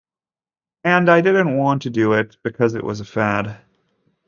And I didn't want to do it because it was a fad.